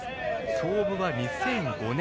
創部は２００５年。